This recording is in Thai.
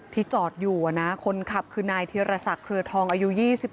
ที่จอดอยู่คนขับคือนายธีรศักดิเครือทองอายุ๒๑